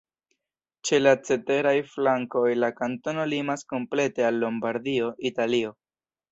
Ĉe la ceteraj flankoj la kantono limas komplete al Lombardio, Italio.